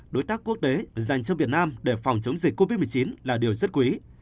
đối tác quốc tế dành cho việt nam để phòng chống dịch covid một mươi chín là điều rất quý